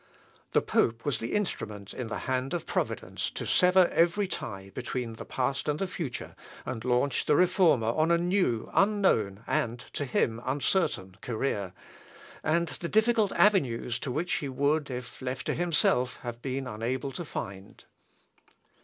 The pope was the instrument in the hand of Providence to sever every tie between the past and the future, and launch the Reformer on a new, unknown, and to him uncertain career, and the difficult avenues to which he would, if left to himself, have been unable to find.